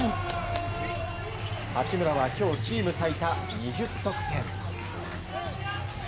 八村は今日、チーム最多２０得点。